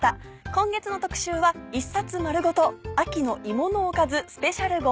今月の特集は１冊丸ごと秋の芋のおかずスペシャル号。